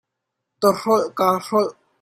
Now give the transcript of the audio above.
Tawhrolh kaa hrolh.